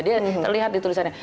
dia terlihat di tulisannya